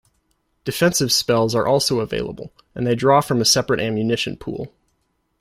Defensive spells are also available, and they draw from a separate ammunition pool.